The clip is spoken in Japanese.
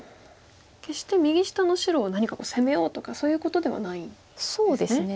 決して右下の白を何か攻めようとかそういうことではないんですね。